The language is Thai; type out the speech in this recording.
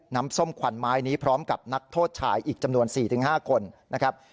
ส้มขวัญไม้นี้พร้อมกับนักโทษชายอีกจำนวน๔๕คนนะครับ